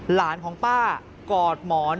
หลานของป้ากอดหมอน